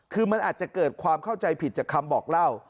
คือมันอาจจะเกิดความเข้าใจผิดจากคำบอกเล่า